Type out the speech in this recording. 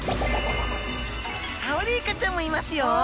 アオリイカちゃんもいますよ！